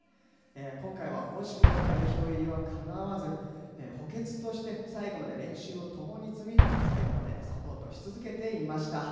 今回は惜しくも代表入りはかなわず補欠として最後まで練習を共に積み最後までサポートし続けていました。